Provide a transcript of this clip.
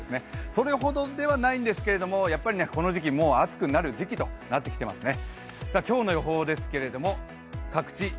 それほどではないんですけどやっぱりこの時期、もう暑くなる時期となってきていますね。